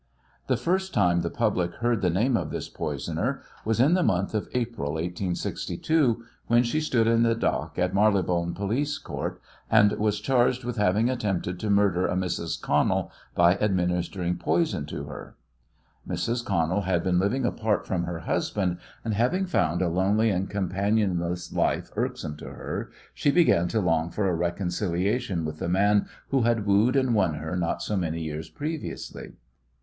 The first time the public heard the name of this poisoner was in the month of April, 1862, when she stood in the dock in Marylebone Police Court, and was charged with having attempted to murder a Mrs. Connell by administering poison to her. Mrs. Connell had been living apart from her husband, and, having found a lonely and companionless life irksome to her, she began to long for a reconciliation with the man who had wooed and won her not so many years previously.